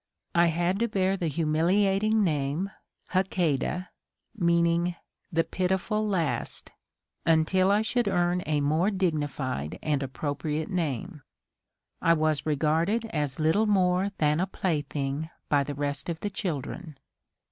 I had to bear the humiliating name "Hak[=a]dah," meaning "the pitiful last," until I should earn a more dignified and appropriate name. I was regarded as little more than a plaything by the rest of the children.